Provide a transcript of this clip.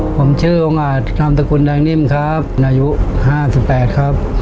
ผมชื่อโองอาจทำตระกุลดังนิ่มครับอายุห้าสิบแปดครับ